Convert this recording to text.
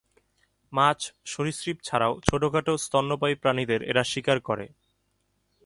মাছ সরীসৃপ ছাড়াও ছোটখাটো স্তন্যপায়ী প্রাণীদের এরা শিকার করে।